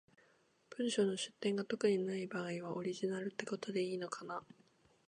文章の出典が特にない場合は、オリジナルってことでいいのかな？